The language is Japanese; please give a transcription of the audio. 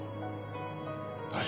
はい。